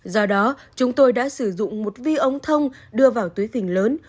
do đó chúng tôi đã sử dụng một vi ống thông đưa vào túi phình lớn